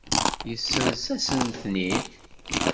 Yessenz-asen-ten-id.